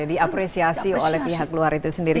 diapresiasi oleh pihak luar itu sendiri